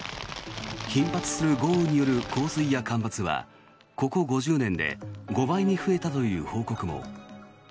頻発する豪雨による洪水や干ばつはここ５０年で５倍に増えたという報告も。